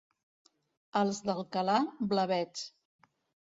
Els d'Alcalà, blavets.